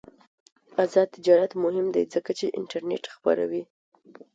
آزاد تجارت مهم دی ځکه چې انټرنیټ خپروي.